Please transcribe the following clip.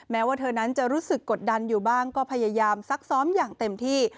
แม้ว่าเธอนั้นจะรู้สึกกดดันอยู่บ้างก็พยายามซักซ้อมอย่างเต็มที่